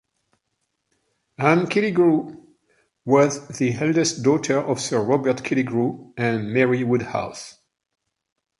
Anne Killigrew was the eldest daughter of Sir Robert Killigrew and Mary Woodhouse.